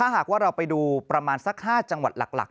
หากว่าเราไปดูประมาณสัก๕จังหวัดหลัก